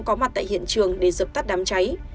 có mặt tại hiện trường để dập tắt đám cháy